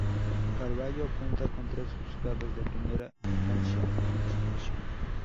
Carballo cuenta con tres Juzgados de Primera Instancia e Instrucción.